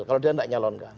kalau dia nggak nyalonkan